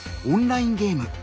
オンラインゲーム。